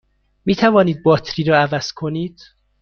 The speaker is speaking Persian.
می توانید باتری را عوض کنید؟